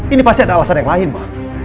ini pasti ada alasan yang lain pak